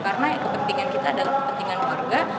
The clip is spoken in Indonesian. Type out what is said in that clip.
karena kepentingan kita adalah kepentingan warga